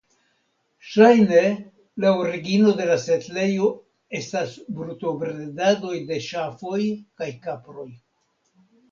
Ŝajne la origino de la setlejo estas brutobredejoj de ŝafoj kaj kaproj.